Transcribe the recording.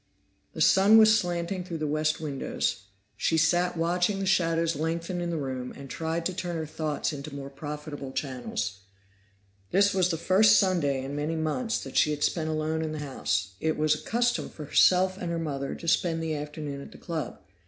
The sun was slanting through the west windows; she sat watching the shadows lengthen in the room, and tried to turn her thoughts into more profitable channels. This was the first Sunday in many months that she had spent alone in the house; it was a custom for herself and her mother to spend the afternoon at the club.